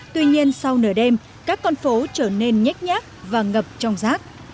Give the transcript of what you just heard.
tuy nhiên sau nửa đêm các con phố trở nên nhét nhát và ngập trong rác